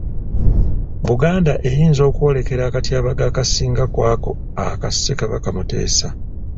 Buganda eyinza okwolekera akatyabaga akasinga ku ako aka Ssekabaka Muteesa.